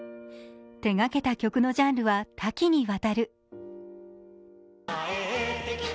手がけた曲のジャンルは多岐に渡る。